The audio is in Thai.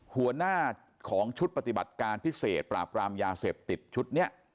หัวหน้าของชุดปฏิบัติการพิเศษปราบรามยาเสพติดชุดนี้